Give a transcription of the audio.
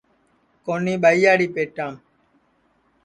کونیھ ٻائیاڑی پیٹام